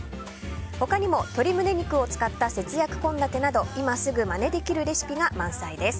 他にも鶏胸肉を使った節約献立など今すぐまねできるレシピが満載です。